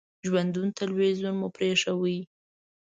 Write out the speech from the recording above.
ژوندون تلویزیون مو پرېښود.